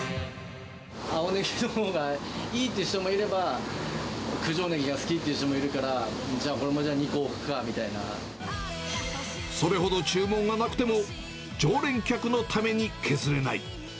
青ねぎのほうがいいっていう人もいれば、九条ねぎが好きっていう人もいるから、じゃあ、それほど注文がなくても、常連客のために削れない。